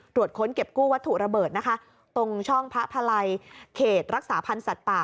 ค้นเก็บกู้วัตถุระเบิดนะคะตรงช่องพระพลัยเขตรักษาพันธ์สัตว์ป่า